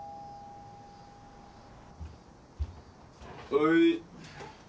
はい。